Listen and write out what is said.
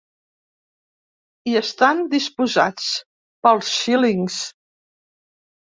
Hi estan disposats... pels xílings.